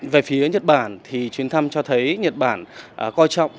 về phía nhật bản thì chuyến thăm cho thấy nhật bản coi trọng